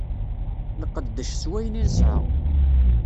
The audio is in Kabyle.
Nqeddec s wayen i nesɛa.